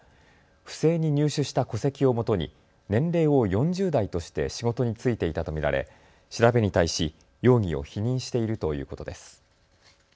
不正に入手した戸籍をもとに年齢を４０代として仕事に就いていたと見られ調べに対し容疑を否認しているということです。